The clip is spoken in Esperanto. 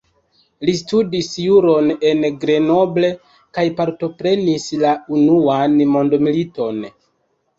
Li studis juron en Grenoble kaj partoprenis la Unuan Mondmiliton.